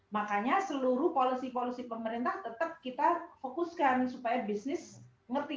makanya seluruh policy policy pemerintah tetap kita fokuskan supaya bisnis ngerti